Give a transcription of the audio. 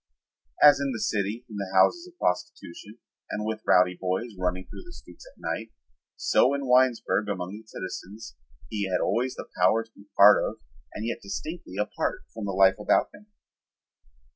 As in the city in the houses of prostitution and with the rowdy boys running through the streets at night, so in Winesburg among its citizens he had always the power to be a part of and yet distinctly apart from the life about him.